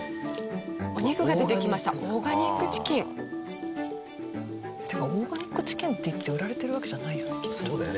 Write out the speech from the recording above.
オーガニックチキン。っていうかオーガニックチキンっていって売られてるわけじゃないよねきっと。